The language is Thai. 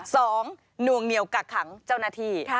สองนวงเหนียวกักขังเจ้าหน้าที่